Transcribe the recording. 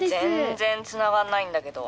全然つながんないんだけど。